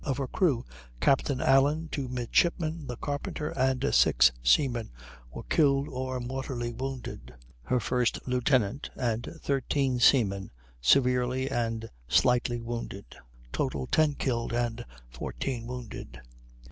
Of her crew, Captain Allen, two midshipmen, the carpenter, and six seamen were killed or mortally wounded; her first lieutenant and 13 seamen severely and slightly wounded: total, 10 killed and 14 wounded.